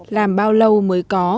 làm bao lâu mới có